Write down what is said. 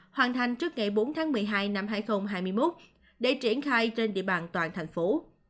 hoàn thành trước ngày bốn tháng một mươi hai năm hai nghìn hai mươi một để triển khai trên địa bàn toàn thành phố